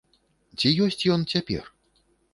Ці ёсць ён цяпер?